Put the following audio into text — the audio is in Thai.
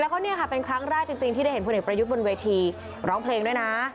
แล้วเนี่ยเป็นครั้งราชที่ได้เห็นผู้เอกประยุทธ์บนเวทีร้องเพลงด้วยนะ